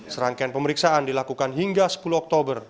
serangkaian pemeriksaan dilakukan hingga sepuluh oktober